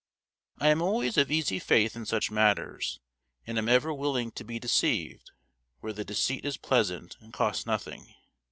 I am always of easy faith in such matters, and am ever willing to be deceived where the deceit is pleasant and costs nothing.